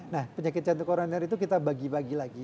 nah penyakit jantung koroner itu kita bagi bagi lagi